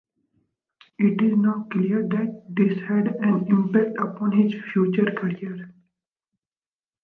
It is now clear that this had an impact upon his future career.